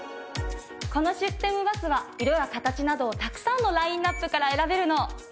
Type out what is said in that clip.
このシステムバスは色や形などをたくさんのラインアップから選べるの。